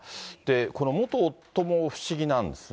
この元夫も不思議なんですね。